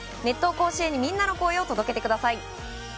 甲子園にみんなの声を届けてください。